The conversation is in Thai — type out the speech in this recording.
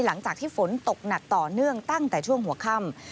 หลังจากที่ฝนตกหนักต่อเนื่องตั้งแต่ช่วงหัวค่ำ